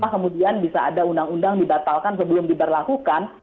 kemudian bisa ada undang undang dibatalkan sebelum diberlakukan